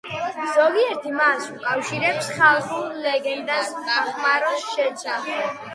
ზოგიერთი მას უკავშირებს ხალხურ ლეგენდას ბახმაროს შესახებ.